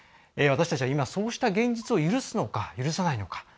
私たちは今そうした現実を許すのか許さないのか。